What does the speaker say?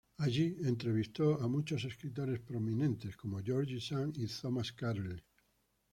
Allí entrevistó a muchos escritores prominentes como George Sand y Thomas Carlyle.